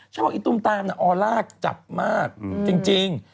ใช่ว่าไอ้ตุมตามนะออร่าจับมากจริง